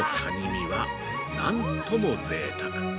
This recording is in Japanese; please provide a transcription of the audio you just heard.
身は、なんともぜいたく。